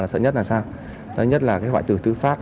sợ nhất là sao đó nhất là cái hoại tử tử phát